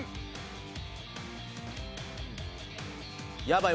やばい。